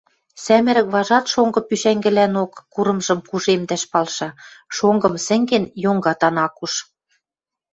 Сӓмӹрӹк важат шонгы пушӓнгӹлӓнок курымжым кужемдӓш палша, шонгым сӹнген, йонгатан ак куш.